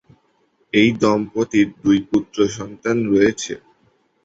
এই দম্পতির দুই পুত্র সন্তান রয়েছে।